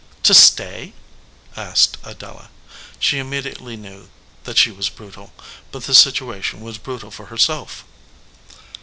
"To stay ?" asked Adela. She immediately knew that she \vas brutal, but the situation was brutal for herself.